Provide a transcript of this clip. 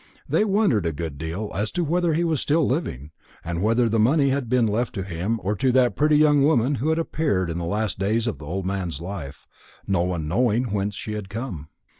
They wondered a good deal as to whether he was still living, and whether the money had been left to him or to that pretty young woman who had appeared in the last days of the old man's life, no one knowing whence she had come.